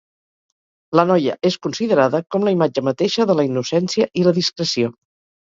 La noia és considerada com la imatge mateixa de la innocència i la discreció.